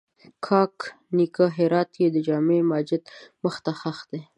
کاک نیکه هرات کښې جامع ماجت مخ ته ښخ دی